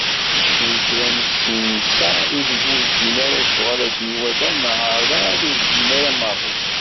Llan kra n yisensa ideg ur ddin ara lecɣal akken iwata neɣ ɛad ur bdin ara maḍi.